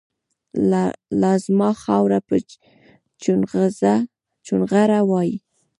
لازما خاوره به چونغره وایي